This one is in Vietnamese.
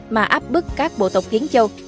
mà áp bức các bộ tộc kiến châu